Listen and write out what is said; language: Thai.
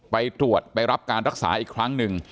ไปตรวจไปรับการรักษาอีกครั้งหนึ่ง